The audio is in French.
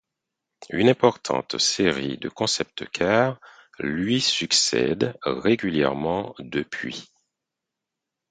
Une importante série de concept-cars lui succèdent régulièrement depuis.